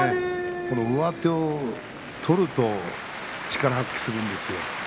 上手を取ると力を発揮するんですよ。